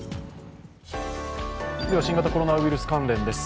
次は新型コロナウイルス関連です。